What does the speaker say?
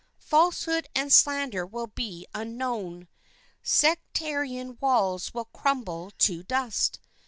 Falsehood and slander will be unknown. Sectarian walls will crumble to dust.